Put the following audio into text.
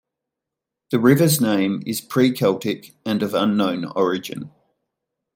The river's name is pre-Celtic and of unknown origin.